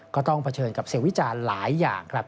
ต้องเผชิญกับเสียงวิจารณ์หลายอย่างครับ